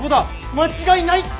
間違いないって！